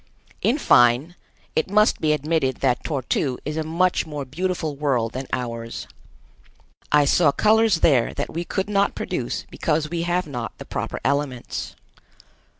In fine, it must be admitted that Tor tu is a much more beautiful world than ours. I saw colors there that we could not produce because we have not the proper elements.